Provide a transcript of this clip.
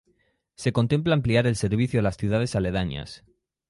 Se contempla ampliar el servicio a las ciudades aledañas.